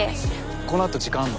このあと時間あんの？